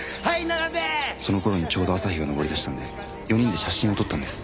その頃にちょうど朝日が昇りだしたんで４人で写真を撮ったんです。